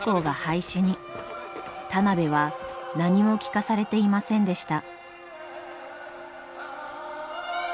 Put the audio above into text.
田邊は何も聞かされていませんでした。